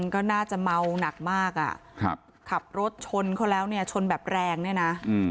ก็น่าจะเมาหนักมากอ่ะครับขับรถชนเขาแล้วเนี่ยชนแบบแรงเนี่ยนะ